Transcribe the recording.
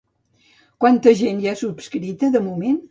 Quanta gent hi ha subscrita de moment?